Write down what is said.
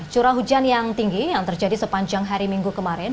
curah hujan yang tinggi yang terjadi sepanjang hari minggu kemarin